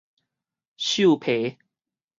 獸皮